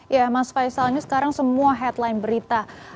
ya mas faisal ini sekarang semua headline berita